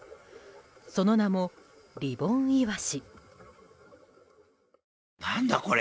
その名も、リボンイワシ。